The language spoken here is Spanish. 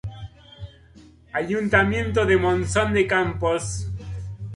Ayuntamiento de Monzón de Campos.